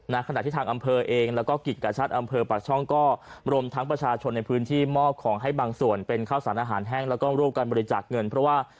ขณะที่ทางอำเภอเองแล้วก็กิจกาชาติอำเภอปากช่องก็รวมทั้งประชาชนในพื้นที่มอบของให้บางส่วนเป็นข้าวสารอาหารแห้งแล้วก็รูปการบริจาคเงินเพราะว่า